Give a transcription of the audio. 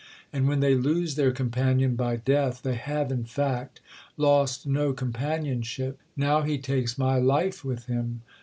And when they lose their companion by death, they have in fact lost no companionship. Now he takes my life with him.